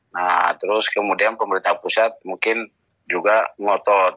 nah terus kemudian pemerintah pusat mungkin juga ngotot